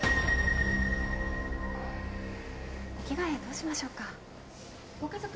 お着替えどうしましょうか？